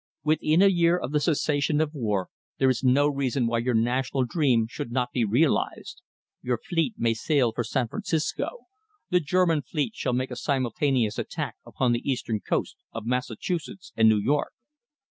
Within a year of the cessation of war, there is no reason why your national dream should not be realised. Your fleet may sail for San Francisco. The German fleet shall make a simultaneous attack upon the eastern coast of Massachusetts and New York."